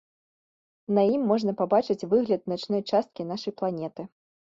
На ім можна пабачыць выгляд начной часткі нашай планеты.